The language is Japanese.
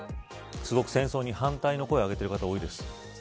すごく、戦争に反対の声をあげている方が多いです。